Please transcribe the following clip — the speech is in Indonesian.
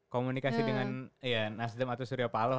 komunikasi dengan nasdem atau suryapaloh